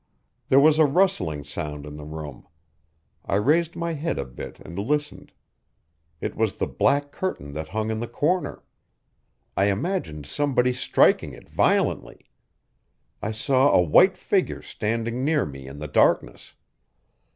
There was a rustling sound in the room. I raised my head a bit and listened. It was the black curtain that hung in the corner. I imagined somebody striking it violently. I saw a white figure standing near me in the darkness.